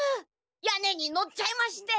屋根にのっちゃいまして。